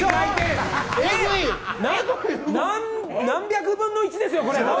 何百分の１ですよ、これ。